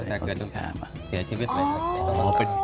แต่เกิดเสียชีวิตหลายคน